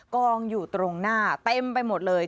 กองอยู่ตรงหน้าเต็มไปหมดเลย